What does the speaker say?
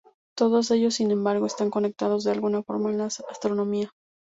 Todos ellos, sin embargo, están conectados de alguna forma con la astronomía.